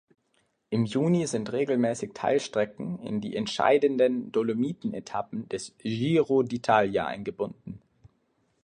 Im Juni sind regelmäßig Teilstrecken in die entscheidenden Dolomiten-Etappen des Giro d’Italia eingebunden.